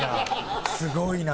すごいな。